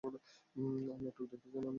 আর নাটক দেখতে চাই না আমি।